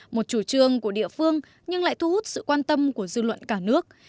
một chủ trương của địa phương nhưng lại thu hút sự quan tâm của dư luận cả nước